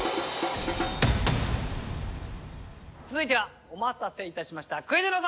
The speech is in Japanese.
続いてはお待たせいたしました「クイズの園」。